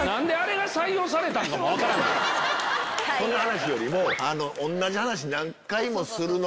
そんな話よりも。